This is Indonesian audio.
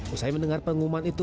usai mendengar pengumuman itu